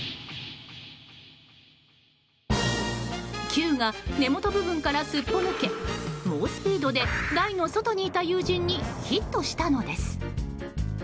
キューが根元部分からすっぽ抜け猛スピードで台の外にいた友人にヒットしたのです。